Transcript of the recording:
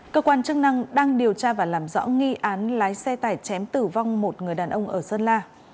cơ quan chức năng đang điều tra và làm rõ nghi án lái xe tải chém tử vong một người đàn ông ở sơn la